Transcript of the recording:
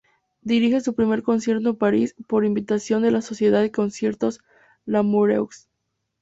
Dirige su primer concierto en París por invitación de la Sociedad de Conciertos Lamoureux.